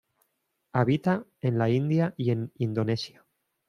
Habita en la India y en Indonesia.